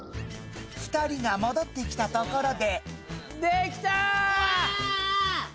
２人が戻ってきたところでわぁ！